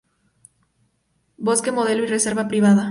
Bosque Modelo y Reserva Privada.